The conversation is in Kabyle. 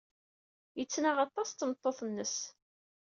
Yettnaɣ aṭas d tmeṭṭut-nnes.